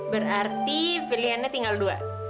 berarti pilihannya tinggal dua